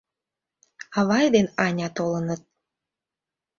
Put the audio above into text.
— Авай ден Аня толыныт!